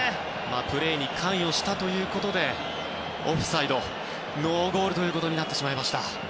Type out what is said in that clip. プレーに関与したということでオフサイド、ノーゴールとなってしまいました。